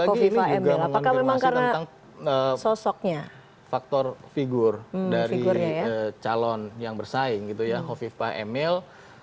apakah memang karena faktor figur dari calon yang bersaing gitu ya kofifa emil